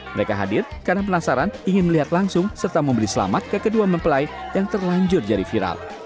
mereka hadir karena penasaran ingin melihat langsung serta membeli selamat ke kedua mempelai yang terlanjur jadi viral